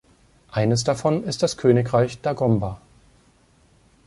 Eines davon ist das Königreich Dagomba.